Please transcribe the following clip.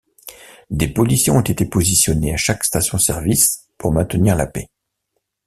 Des policiers ont été positionnés à chaque station-service pour maintenir la paix.